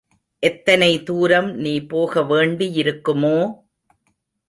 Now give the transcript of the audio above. எத்தனை தூரம் நீ போக வேண்டியிருக்குமோ!